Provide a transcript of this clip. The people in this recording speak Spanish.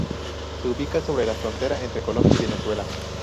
Se ubica sobre la frontera entre Colombia y Venezuela.